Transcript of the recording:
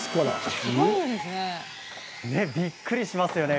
びっくりしますね。